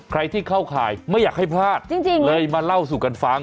ใครที่เข้าข่ายไม่อยากให้พลาดจริงเลยมาเล่าสู่กันฟัง